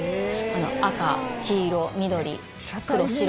赤黄色緑黒白